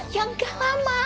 ya gak lama